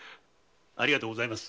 ありがとうございます。